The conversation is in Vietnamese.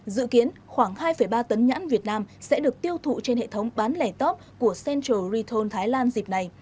dự kiến khoảng hai ba tấn nhãn việt nam sẽ được tiêu thụ trên hệ thống bán lẻ top của central retam thái lan dịp này